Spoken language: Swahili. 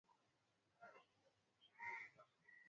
Na hutofautiana na maisha yao ya kawaida na Habari hii